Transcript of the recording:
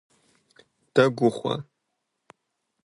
Дэгу ухъуа?